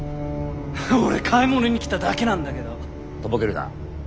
俺買い物に来ただけなんだけど。とぼけるな。